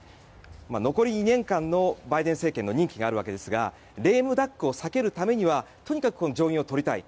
残り２年間のバイデン政権の任期があるわけですがレームダックを避けるためにはとにかく上院をとりたい。